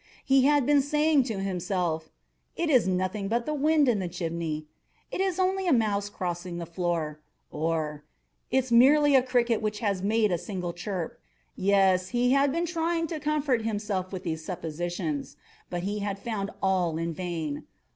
He had been saying to himself—"It is nothing but the wind in the chimney—it is only a mouse crossing the floor," or "It is merely a cricket which has made a single chirp." Yes, he had been trying to comfort himself with these suppositions: but he had found all in vain.